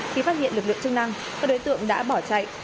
khi phát hiện lực lượng chức năng các đối tượng đã bỏ chạy